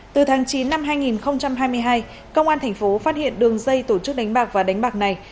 từ tháng chín năm hai nghìn hai mươi hai công an thành phố phát hiện đường dây tổ chức đánh bạc và đánh bạc này